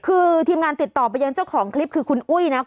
คือทีมงานติดต่อไปยังเจ้าของคลิปคือคุณอุ้ยนะ